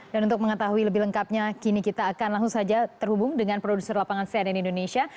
dan untuk mengetahui lebih lengkapnya kini kita akan langsung saja terhubung dengan produser lapangan cnn indonesia